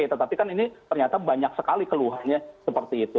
tetapi kan ini ternyata banyak sekali keluhannya seperti itu